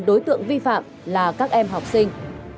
đối tượng vi phạm là các em học sinh